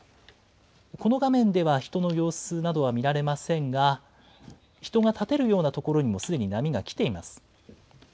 この画面では、人の様子などは見られませんが、人が立てるような所にもすでに波が来ています。